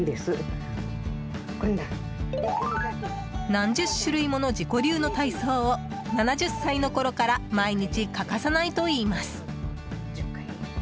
何十種類もの自己流の体操を７０歳のころから毎日欠かさないといいます。